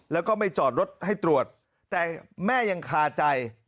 แล้วก็ไม่จอดรถให้ตรวจแต่แม่ยังคาใจ